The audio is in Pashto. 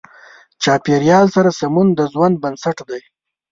چاپېریال سره سمون د ژوند بنسټ دی.